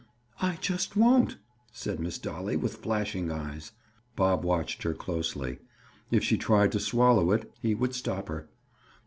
"I just won't," said Miss Dolly, with flashing eyes. Bob watched her closely. If she tried to swallow it, he would stop her.